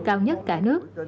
cao nhất cả nước